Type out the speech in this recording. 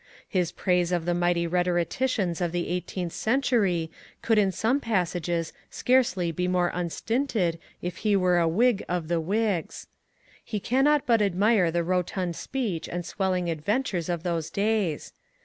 His praise of the mighty rhetoricians of the eighteenth century could in some passages scarcely be more unstinted if he were a Whig of the Whigs. He cannot but admire the rotund speech and swelling adventures of those days.